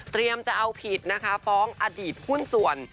เตรียมจะเอาผิดฟ้องอดีตหุ้นส่วน